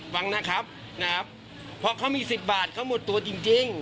ฟังนะครับนะครับเพราะเขามี๑๐บาทเขาหมดตัวจริง